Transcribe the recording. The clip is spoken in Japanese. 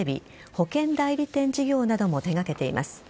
保険代理店事業なども手掛けています。